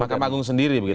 makam agung sendiri begitu